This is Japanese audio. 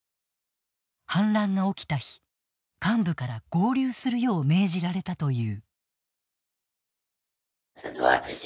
反乱が起きた日、幹部から合流するよう命じられたという。